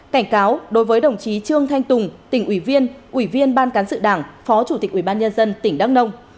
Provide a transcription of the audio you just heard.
cảnh cáo đối với đồng chí trương thanh tùng tỉnh ủy viên ủy viên ban cán sự đảng phó chủ tịch ủy ban nhân dân tỉnh đắk nông